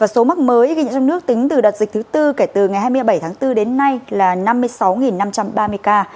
số mắc mới ghi nhận trong nước tính từ đợt dịch thứ tư kể từ ngày hai mươi bảy tháng bốn đến nay là năm mươi sáu năm trăm ba mươi ca